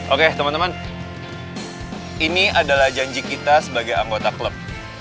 oke teman teman ini adalah janji kita sebagai anggota klub